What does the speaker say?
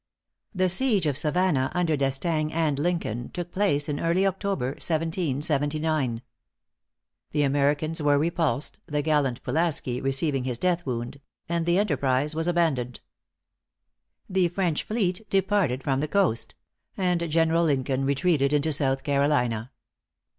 The siege of Savannah under D'Estaing and Lincoln took place early in October, 1779. The Americans were repulsed, the gallant Pulaski receiving his death wound; and the enterprise was abandoned. The French fleet departed from the coast; and General Lincoln retreated into South Carolina.